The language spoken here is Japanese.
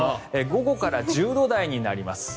午後から１０度台になります。